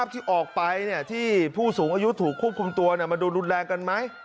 ที่ออกไปที่ผู้สูงอายุถูกควบคุมตัวมาดูรุนแรงกันไหม